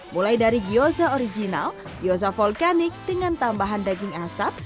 mulai dari gyoza original gyoza volkanik dengan tambahan daging asap